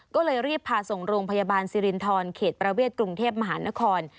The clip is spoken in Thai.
ก็เลยรีบพาส่งโรงพยาบาลสิรินทรเขตประเวทกรุงเทพมหานคร